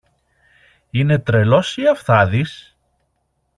Είναι τρελός ή αυθάδης;